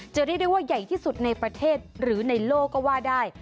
เรียกได้ว่าใหญ่ที่สุดในประเทศหรือในโลกก็ว่าได้